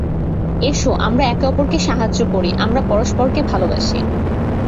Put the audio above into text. S, আমরা একে অপরকে সাহায্য করি, আমরা পরস্পরকে ভালবাসি।